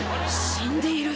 死んでいる。